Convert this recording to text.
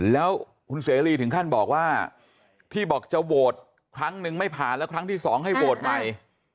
แล้วคุณเสรีถึงขั้นบอกว่าที่บอกจะโหวตครั้งนึงไม่ผ่านแล้วครั้งที่สองให้โหวตใหม่